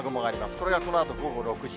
これがこのあと午後６時。